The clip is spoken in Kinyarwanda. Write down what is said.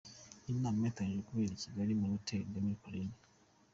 Iyi nama iteganyijwe kubera i Kigali, muri Hotel des Mille colines.